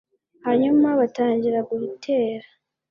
hanyuma batangira gutera